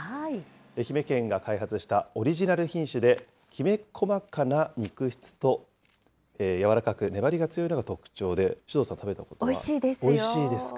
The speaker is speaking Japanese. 愛媛県が開発したオリジナル品種で、きめ細かな肉質と、軟らかく粘りが強いのが特徴で、首藤さん、おいしいですよ。